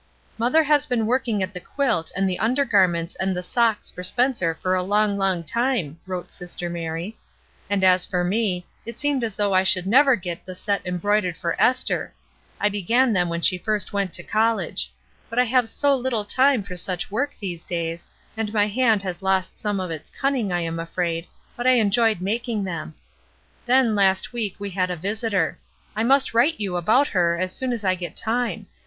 " Mother has been working at the quilt and the under garments and the socks for Spencer for a long, long time," wrote sister Mary. " And, as for me, it seemed as though I should never get the set embroidered for Esther; I began them when she first went to college; but I have so Uttle time for such work in these days, and my 288 ESTER RIED'S NAMESAKE \ hand has lost some of its cunning, I am afraid, but I enjoyed making them. Then, last week we had a visitor. I must write you about her as soon as I get time.